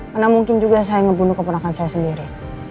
mana mungkin juga saya ngebunuh keponakan saya sendiri